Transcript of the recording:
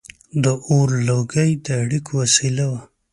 • د اور لوګي د اړیکو وسیله وه.